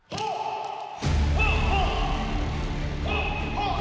はっ！